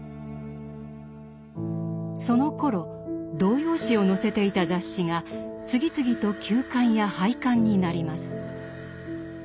そのころ童謡詩を載せていた雑誌が次々と休刊や廃刊になります。